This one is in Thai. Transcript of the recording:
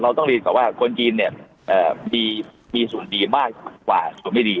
เราต้องรีบกับว่าคนจีนเนี้ยอ่ามีมีส่วนดีมากกว่าส่วนไม่ดี